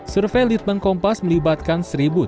survei litbang kompas melibatkan satu tiga ratus